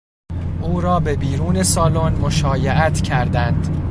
او را به بیرون سالن مشایعت کردند